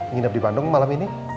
nginep di bandung malam ini